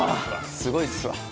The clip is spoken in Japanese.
すごいっすわ。